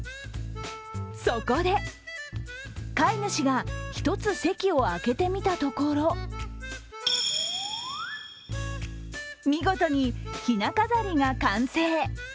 そこで飼い主が１つ、席を空けてみたところ見事に、ひな飾りが完成。